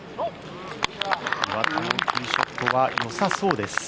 岩田のティーショットは良さそうです。